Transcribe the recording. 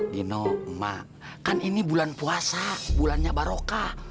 gino ma kan ini bulan puasa bulannya barokah